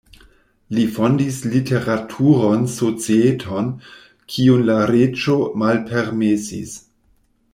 Li fondis literaturan societon, kiun la reĝo malpermesis.